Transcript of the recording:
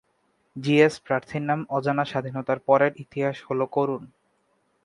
GS প্রার্থীর নাম অজানা স্বাধীনতার পরের ইতিহাস হলো করুন।